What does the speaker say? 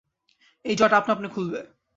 এই জট আপনাআপনি খুলবে।